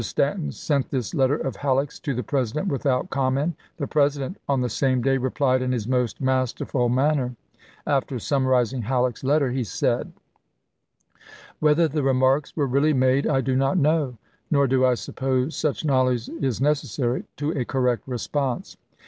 Stanton sent this letter of Halleck's to the President without comment. The President, on the same day, replied in his most masterful manner. After summarizing Halleck's letter, he said : "Whether the remarks were really made I do not know, nor do I suppose such knowledge is nec essary to a correct response.